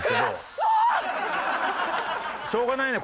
しょうがないね。